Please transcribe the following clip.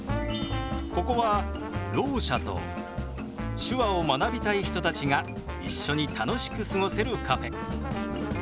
ここはろう者と手話を学びたい人たちが一緒に楽しく過ごせるカフェ。